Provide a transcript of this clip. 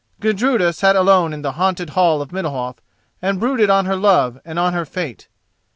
Gudruda sat alone in the haunted hall of Middalhof and brooded on her love and on her fate.